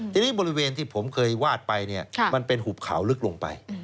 ทีนี้บริเวณที่ผมเคยวาดไปเนี่ยมันเป็นหุบเขาลึกลงไป